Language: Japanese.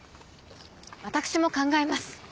私も考えます。